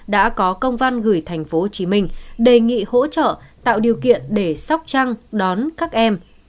đã có công văn gửi thành phố hồ chí minh đề nghị hỗ trợ tạo điều kiện để sóc trăng đón các em